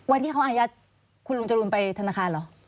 วันที่เขาอายัดคุณลุงจรูนไปธนาคารเหรอ